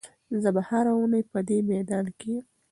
زه به هره اونۍ په دې میدان کې یم.